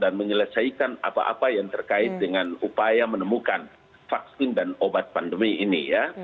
dan menyelesaikan apa apa yang terkait dengan upaya menemukan vaksin dan obat pandemi ini ya